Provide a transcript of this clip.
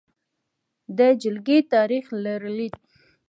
د جلکې تاریخې لرلید: